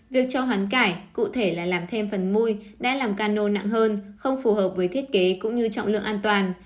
việc cho hoán cải cụ thể là làm thêm phần muôi đã làm cano nặng hơn không phù hợp với thiết kế cũng như trọng lượng an toàn